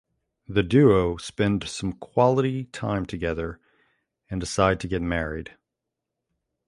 The duo spend some quality time together and decide to get married.